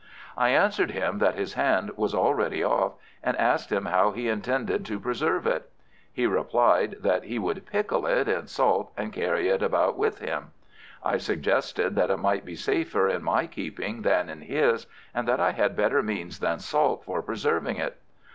I answered him that his hand was already off, and asked him how he intended to preserve it. He replied that he would pickle it in salt and carry it about with him. I suggested that it might be safer in my keeping than in his, and that I had better means than salt for preserving it.